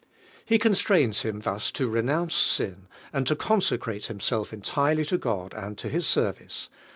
He constrains him thus to renounce sin, anil to consecrate himself entirely to God and to His service (I.